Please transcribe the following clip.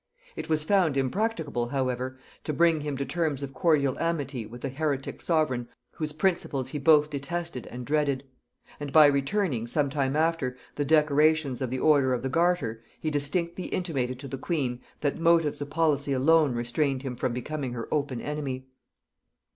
It was found impracticable, however, to bring him to terms of cordial amity with a heretic sovereign whose principles he both detested and dreaded; and by returning, some time after, the decorations of the order of the garter, he distinctly intimated to the queen, that motives of policy alone restrained him from becoming her open enemy.